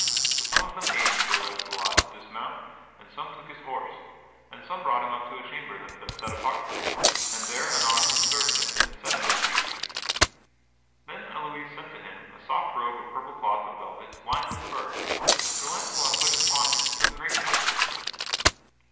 So some of them aided Sir Launcelot to dismount and some took his horse, and some brought him up to a chamber that had been set apart for him, and there unarmed and served him, and set him at his ease. Then Elouise sent to him a soft robe of purple cloth of velvet, lined with fur, and Sir Launcelot put it upon him and took great comfort in it.